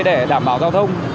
để đảm bảo giao thông